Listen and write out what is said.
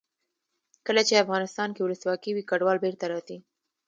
کله چې افغانستان کې ولسواکي وي کډوال بېرته راځي.